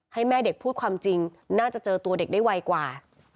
ให้แม่เด็กพูดความจริงน่าจะเจอตัวเด็กได้ไวกว่า